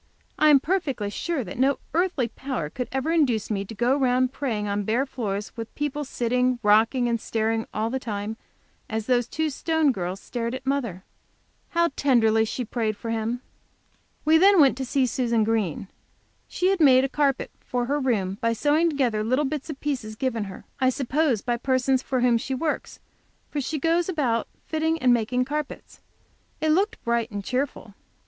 I am perfectly sure that no earthly power could ever induce me to go round praying on bare floors, with people sitting, rocking and staring all the time, as the two Stone girls stared at mother. How tenderly she prayed for him! We then went to see Susan Green. She had made a carpet for her room by sewing together little bits of pieces given her, I suppose, by persons for whom she works, for she goes about fitting and making carpets. It looked bright and cheerful.